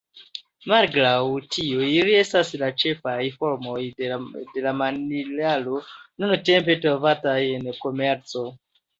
Malgraŭ tio, ili estas la ĉefaj formoj de la mineralo nuntempe trovataj en komerco.